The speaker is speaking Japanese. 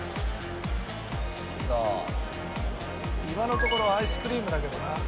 今のところアイスクリームだけどな。